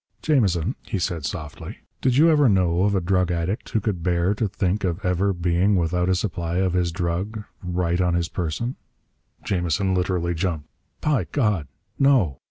"Jamison," he said softly, "did you ever know of a drug addict who could bear to think of ever being without a supply of his drug right on his person?" Jamison literally jumped. "By God! No!"